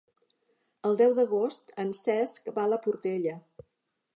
El deu d'agost en Cesc va a la Portella.